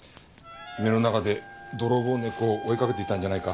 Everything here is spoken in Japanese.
夢の中で泥棒猫を追いかけていたんじゃないか？